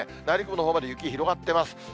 内陸部のほうまで雪広がってます。